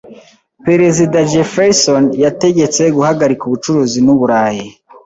Perezida Jefferson yategetse guhagarika ubucuruzi n’Uburayi.